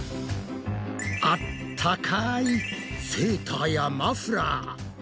あったかいセーターやマフラー。